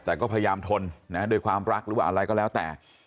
แต่ก็พยายามทนด้วยความรักหรือว่าอะไรก็แล้วแต่